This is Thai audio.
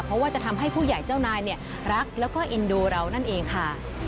เพราะว่าจะทำให้ผู้ใหญ่เจ้านายเนี่ยรักแล้วก็เอ็นดูเรานั่นเองค่ะ